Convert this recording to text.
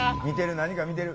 何か見てる。